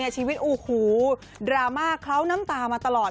ชีวิตอู๋ขูวดราม่าเค้าน้ำตามาตลอด